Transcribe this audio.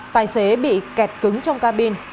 tài xế bị kẹt cứng trong cabin